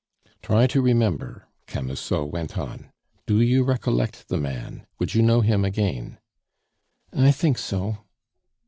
"Try to remember," Camusot went on. "Do you recollect the man? Would you know him again?" "I think so."